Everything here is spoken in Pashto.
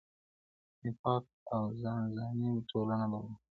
نفاق او ځانځاني ټولنه بربادوي.